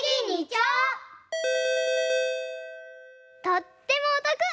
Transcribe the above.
とってもおとく！